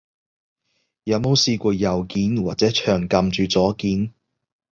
有冇試過右鍵，或者長撳住左鍵？